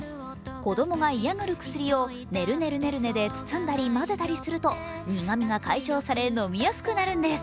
子供が嫌がる薬をねるねるねるねで包んだり、混ぜたりすると苦みが解消され飲みやすくなるんです。